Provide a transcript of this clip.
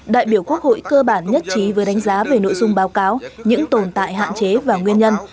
đại biểu quốc hội cơ bản nhất trí với đánh giá về nội dung báo cáo những tồn tại hạn chế và nguyên nhân